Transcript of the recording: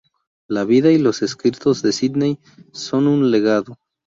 La vida y los escritos de Sidney son un legado.